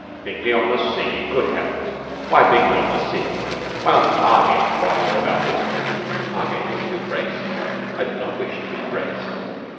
Bingley on the Sea! Good heavens! Why Bingley on the Sea? Why not Margate, while you are about it?" "Margate is too bracing. I did not wish to be braced.